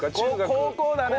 高校だね。